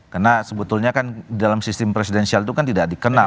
karena sebetulnya kan dalam sistem presidensial itu kan tidak dikenal